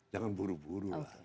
jangan buru buru lah